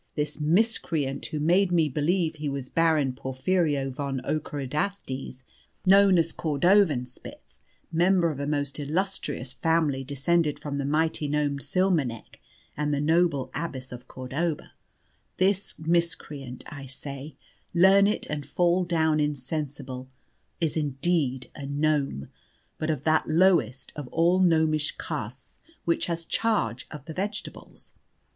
This miscreant who made me believe he was Baron Porphyrio von Ockerodastes, known as Cordovanspitz, member of a most illustrious family descended from the mighty gnome Tsilmenech and the noble Abbess of Cordova this miscreant, I say learn it and fall down insensible is indeed a gnome, but of that lowest of all gnomish castes which has charge of the vegetables.